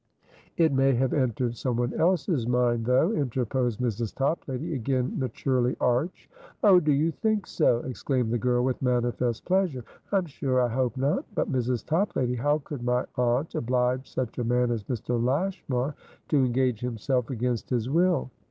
"It may have entered someone else's mind, though," interposed Mrs. Toplady, again maturely arch. "Oh, do you think so!" exclaimed the girl, with manifest pleasure. "I'm sure I hope not. But, Mrs. Toplady, how could my aunt oblige such a man as Mr. Lashmar to engage himself against his will?"